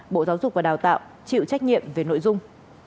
bộ giáo dục và đào tạo chịu trách nhiệm về nội dung